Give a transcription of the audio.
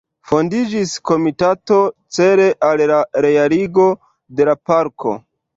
Fondiĝis komitato cele al la realigo de la parko.